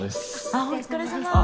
あっお疲れさまです。